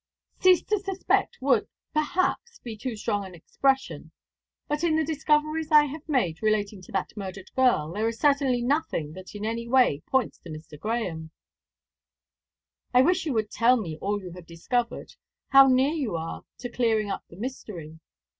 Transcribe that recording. "Ceased to suspect would, perhaps, be too strong an expression. But in the discoveries I have made relating to that murdered girl there is certainly nothing that in any way points to Mr. Grahame." "I wish you would tell me all you have discovered how near you are to clearing up the mystery."